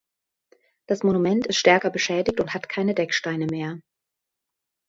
Das Monument ist stärker beschädigt und hat keine Decksteine mehr.